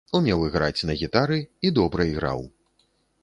Умеў іграць на гітары і добра іграў.